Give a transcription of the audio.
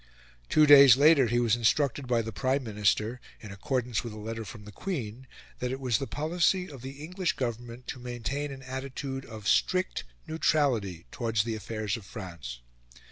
Two days later, he was instructed by the Prime Minister, in accordance with a letter from the Queen, that it was the policy of the English Government to maintain an attitude of strict neutrality towards the affairs of France.